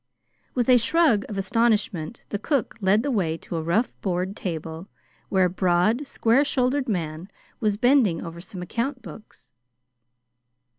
With a shrug of astonishment, the cook led the way to a rough board table where a broad, square shouldered man was bending over some account books.